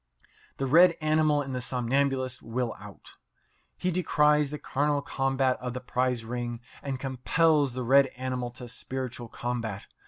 The red animal in the somnambulist will out. He decries the carnal combat of the prize ring, and compels the red animal to spiritual combat.